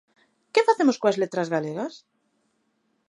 Que facemos coas letras galegas?